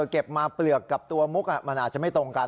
เก็บมาเปลือกกับตัวมุกมันอาจจะไม่ตรงกัน